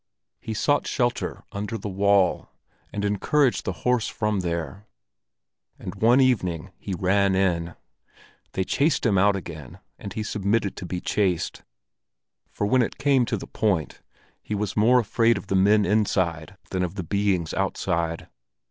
He sought shelter under the wall, and encouraged the horse from there; and one evening he ran in. They chased him out again, and he submitted to be chased, for when it came to the point he was more afraid of the men inside than of the beings outside.